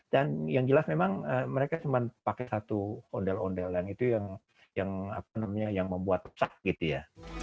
dan yang jelas memang mereka cuma pakai satu ondel ondel yang itu yang membuat sakit ya